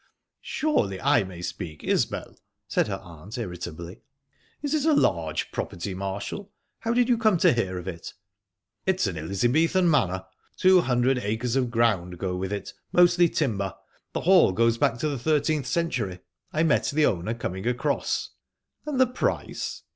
"Surely I may speak, Isbel!" said her aunt irritably. "Is it a large property, Marshall? How did you come to hear of it?" "It's an Elizabethan manor. Two hundred acres of ground go with it, mostly timber. The hall goes back to the thirteenth century. I met the owner coming across." "And the price?"